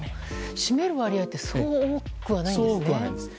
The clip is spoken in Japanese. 占める割合はそう多くはないんですね。